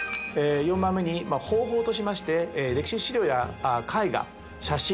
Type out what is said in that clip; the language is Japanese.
４番目に方法としまして歴史資料や絵画写真